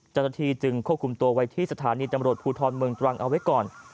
เจ้าหน้าที่จึงควบคุมตัวไว้ที่สถานีตำรวจภูทรเมืองตรังเอาไว้ก่อน